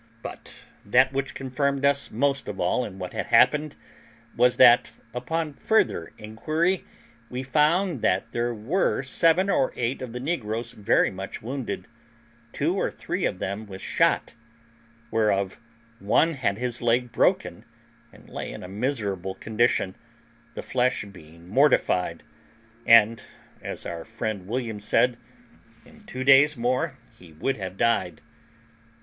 But that which confirmed us most of all in what had happened was that, upon further inquiry, we found that there were seven or eight of the negroes very much wounded, two or three of them with shot, whereof one had his leg broken and lay in a miserable condition, the flesh being mortified, and, as our friend William said, in two days more he would have died.